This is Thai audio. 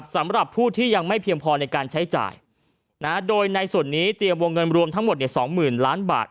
สำหรับผู้ที่ยังไม่เพียงพอในการใช้จ่ายโดยในส่วนนี้เตรียมวงเงินรวมทั้งหมด๒๐๐๐ล้านบาท